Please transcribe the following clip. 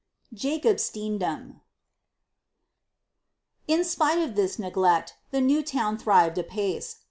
JACOB STEENDAM, noch vaster. In spite of this neglect, the new town thrived apace.